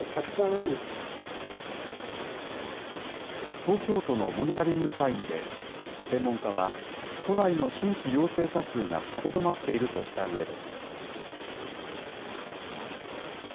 東京都のモニタリング会議で、専門家は、都内の新規陽性者数が下げ止まっているとしたうえで。